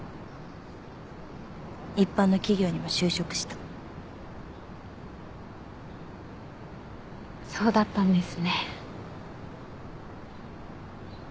一般の企業にも就職したそうだったんですね